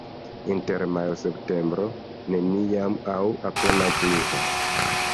Inter majo-septembro neniam aŭ apenaŭ pluvas.